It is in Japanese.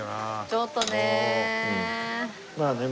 ちょっとねえ。